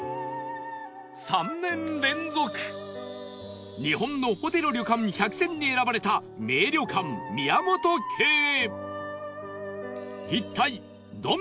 ３年連続「日本のホテル・旅館１００選」に選ばれた名旅館宮本家へ